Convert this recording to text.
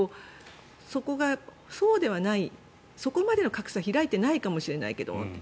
そこがそうではないそこまでの格差は開いてないかもしれないけどと。